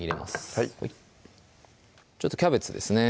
はいちょっとキャベツですね